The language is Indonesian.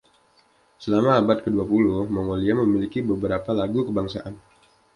Selama abad kedua puluh, Mongolia memiliki beberapa lagu kebangsaan.